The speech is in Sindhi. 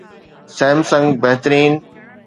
Samsung بهترين